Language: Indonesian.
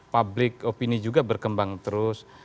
public opini juga berkembang terus